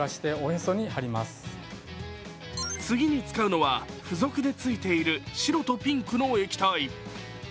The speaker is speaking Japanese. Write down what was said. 次に使うのは付属でついている白とピンクの液体。